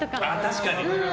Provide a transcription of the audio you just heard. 確かに！